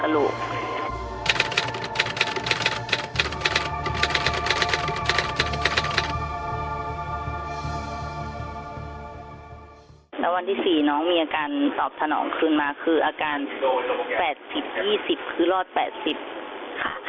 แล้ววันที่๔น้องมีอาการตอบสนองขึ้นมาคืออาการ๘๐๒๐คือรอด๘๐ค่ะ